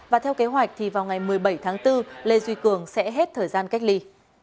và theo kế hoạch thì vào ngày một mươi bảy tháng bốn lê duy cường sẽ hết thời gian cách ly